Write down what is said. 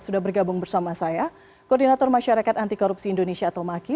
sudah bergabung bersama saya koordinator masyarakat antikorupsi indonesia tomaki